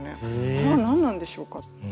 あれは何なんでしょうか。